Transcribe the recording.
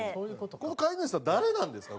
この飼い主さん誰なんですか？